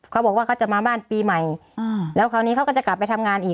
เขาบอกว่าเขาจะมาบ้านปีใหม่แล้วคราวนี้เขาก็จะกลับไปทำงานอีก